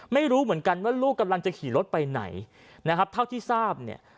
ไม่รู้เหมือนกันว่าลูกกำลังจะขี่รถไปไหนนะครับเท่าที่ทราบเนี่ย